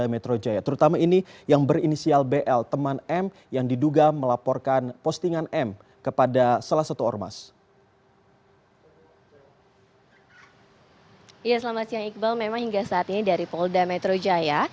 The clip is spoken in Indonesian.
memang hingga saat ini dari polda metro jaya